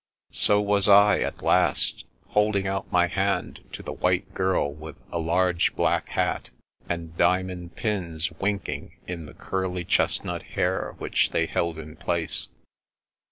So was I, at last, holding out my hand to the white girl with a large black hat, and diamond pins wink ing in the curly chestnut hair which they held in place.